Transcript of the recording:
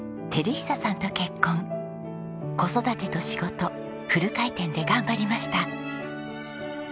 子育てと仕事フル回転で頑張りました。